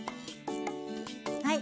はい。